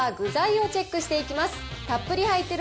まずは具材をチェックしていきます。